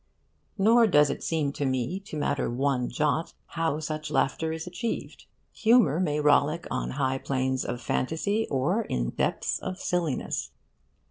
Nor does it seem to me to matter one jot how such laughter is achieved. Humour may rollick on high planes of fantasy or in depths of silliness.